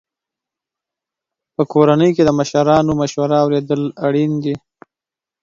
په کورنۍ کې د مشرانو مشوره اورېدل اړین دي.